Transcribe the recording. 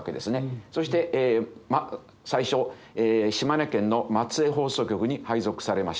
そして最初島根県の松江放送局に配属されました。